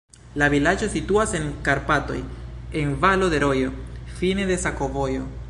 La vilaĝo situas en Karpatoj en valo de rojo, fine de sakovojo.